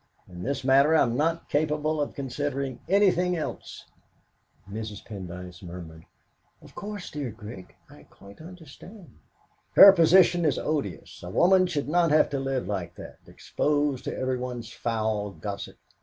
In this matter I'm not capable of considering anything else." Mrs. Pendyce murmured: "Of course, dear Grig, I quite understand." "Her position is odious; a woman should not have to live like that, exposed to everyone's foul gossip."